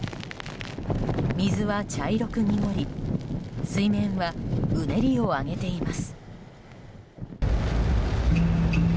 水は茶色く濁り水面はうねりを上げています。